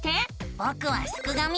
ぼくはすくがミ。